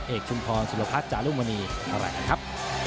เอกชุมพรสุรพักษณ์จารุมวนีเอาล่ะกันครับ